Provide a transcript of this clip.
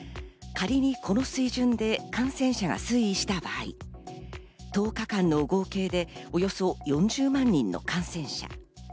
仮に、この水準で感染者が推移した場合、１０日間の合計でおよそ４０万人の感染者。